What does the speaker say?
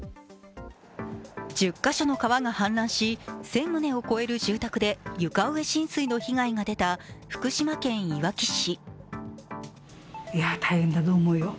１０か所の川が氾濫し１０００棟を超える住宅で床上浸水の被害が出た福島県いわき市。